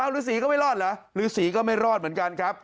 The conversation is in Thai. ฤษีก็ไม่รอดเหรอฤษีก็ไม่รอดเหมือนกันครับ